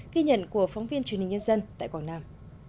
ghi nhận của phóng viên truyền hình nhân dân tại quảng nam